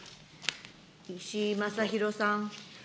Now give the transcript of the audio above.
石井正弘さん。